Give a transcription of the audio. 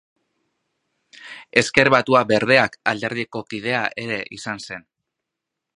Ezker Batua-Berdeak alderdiko kidea ere izan zen.